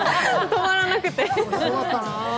止まらなくて。